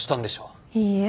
いいえ。